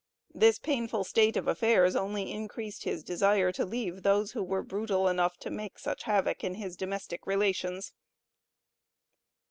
This painful state of affairs only increased his desire to leave those who were brutal enough to make such havoc in his domestic relations.